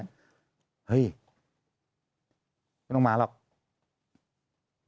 แต่ได้ยินจากคนอื่นแต่ได้ยินจากคนอื่น